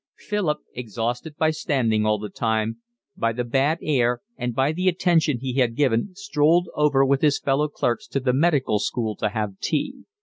Philip, exhausted by standing all the time, by the bad air, and by the attention he had given, strolled over with his fellow clerks to the Medical School to have tea.